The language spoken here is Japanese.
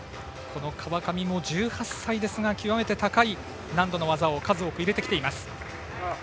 この川上も１８歳ですが極めて高い難度の技を数多く入れてきています。